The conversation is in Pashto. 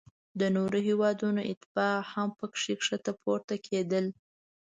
د نورو هیوادونو اتباع هم پکې ښکته پورته کیدل.